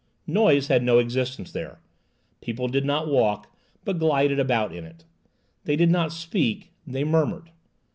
Noise had no existence there; people did not walk, but glided about in it; they did not speak, they murmured.